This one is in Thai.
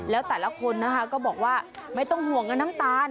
แล้วแต่ละคนนะคะก็บอกว่าไม่ต้องห่วงกับน้ำตาล